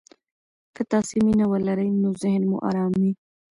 که تاسي مینه ولرئ، نو ذهن مو ارام وي.